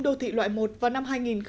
đô thị loại một vào năm hai nghìn hai mươi